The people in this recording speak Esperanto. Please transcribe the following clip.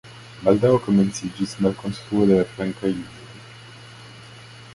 Baldaŭ komenciĝis malkonstruo de flankaj linioj.